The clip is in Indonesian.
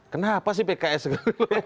kenapa sih pks keluar